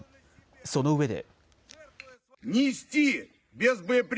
その上で。